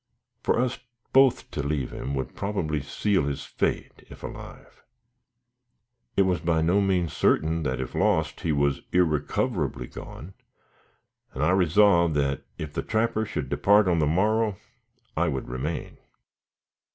For us both to leave him would probably seal his fate, if alive. It was by no means certain that if lost, he was irrecoverably gone, and I resolved that if the trapper should depart on the morrow I would remain.